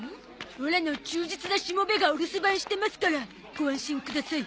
オラの忠実なしもべがお留守番してますからご安心ください。